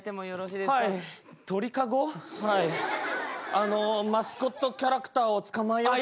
あのマスコットキャラクターをつかまえようかなと。